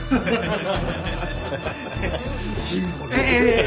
ええ。